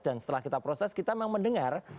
dan setelah kita proses kita memang mendengar